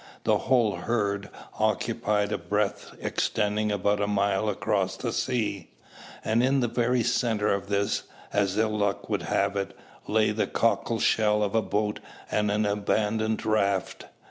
The whole "herd" occupied a breadth extending about a mile across the sea; and in the very centre of this, as ill luck would have it, lay the cockle shell of a boat and the abandoned raft.